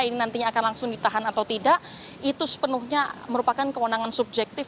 ini nantinya akan langsung ditahan atau tidak itu sepenuhnya merupakan kewenangan subjektif